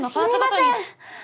すみません！